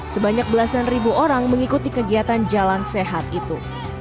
sebanyak belasan ribu orang mengikuti kegiatan jalan sehat itu